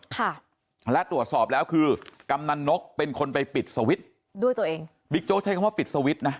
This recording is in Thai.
ค่ะและตรวจสอบแล้วคือกำนันนกเป็นคนไปปิดสวิตช์ด้วยตัวเองบิ๊กโจ๊กใช้คำว่าปิดสวิตช์นะ